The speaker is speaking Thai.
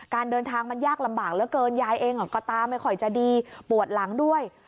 การเดินทางมันยากลำบากเหลือเกินยายเองก็ตาไม่ค่อยจะดีปวดหลังด้วย